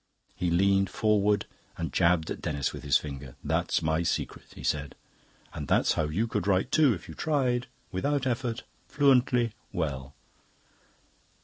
He leaned forward and jabbed at Denis with his finger. "That's my secret," he said, "and that's how you could write too, if you tried without effort, fluently, well."